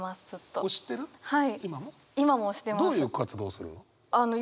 どういう活動するの？